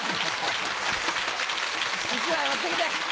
１枚持って来て。